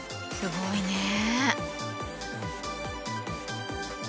すごいね。